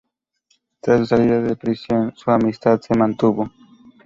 Tras su salida de prisión, su amistad se mantuvo.